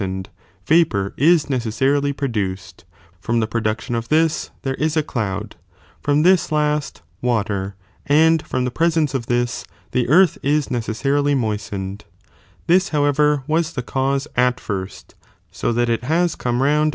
ened, vapour is necessarily produced, from tbo production of this, there is a ciciud, from this last, water, and from the presence of this, tlie earth is necessarily moistened, this howeverwas the (cause) at firet, so that it has come ronod ' Com'sn.